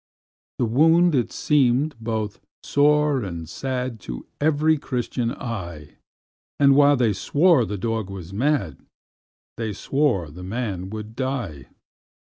The wound it seem'd both sore and sad To every Christian eye; And while they swore the dog was mad, They swore the man would die.